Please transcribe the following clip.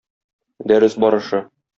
Дәрес барышы.